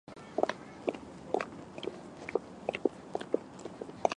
当たり前の日常を疑い続けろ。